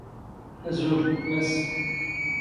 ⴰⵣⵓⵍ, ⵎⴰⵙⵙ